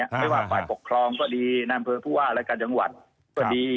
ไม่ว่าฝ่ายปกครองก็ดีในอำเภอผู้ว่ารายการจังหวัดก็ดี